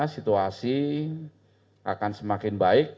situasi akan semakin baik